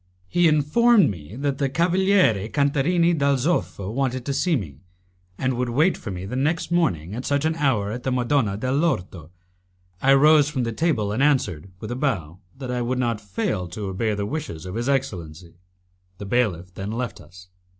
He informed me that the Cavaliere Cantarini dal Zoffo wished to see me, and would wait for me the next morning at such an hour at the Madonna de l'Orto. I rose from the table and answered, with a bow, that I would not fail to obey the wishes of his excellency. The bailiff then left us.